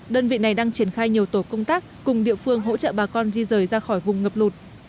đơn vị này đang triển khai nhiều tổ công tác cùng địa phương hỗ trợ bà con di rời ra khỏi vùng ngập lụt